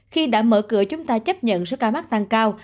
khi đã mở cửa chúng ta chấp nhận số ca mắc tăng cao